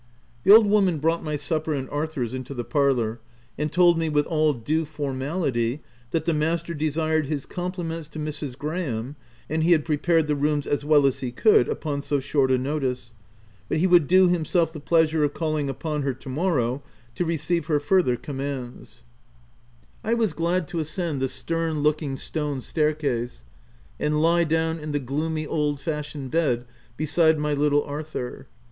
The old woman brought my supper and Ar thur's into the parlour, and told me, with all due formality, that "The master desired his compliments to Mrs. Graham, and he had pre pared the rooms as well as he could upon so short a notice, but he would do himself the pleasure of calling upon her to morrow, to re ceive her further commands." OP WILDPELL HALL. 121 I was glad to ascend the stern looking stone staircase, and lie down in the gloomy old fashioned bed, beside my little Arthur.